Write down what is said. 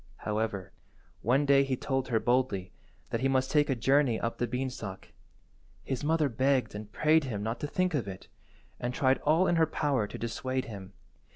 However, one day he told her boldly that he must take a journey up the beanstalk. His mother begged and prayed him not to think of it, and tried all in her power to dissuade him.